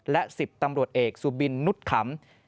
และ๑๐ตำรวจเอกสุบินนุษย์ขำ